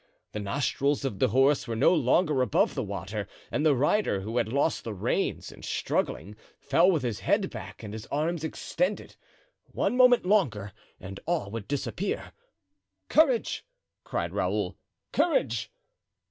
The nostrils of the horse were no longer above water, and the rider, who had lost the reins in struggling, fell with his head back and his arms extended. One moment longer and all would disappear. "Courage!" cried Raoul, "courage!"